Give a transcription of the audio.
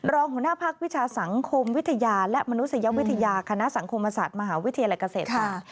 รองหัวหน้าพักวิชาสังคมวิทยาและมนุษยวิทยาคณะสังคมศาสตร์มหาวิทยาลัยเกษตรค่ะ